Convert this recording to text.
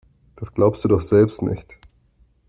Das glaubst du doch selbst nicht.